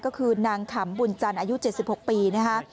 ก็คือนางขำบุญจันทร์อายุ๗๖ปีนะคะ